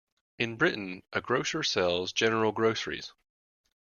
In Britain, a grocer sells general groceries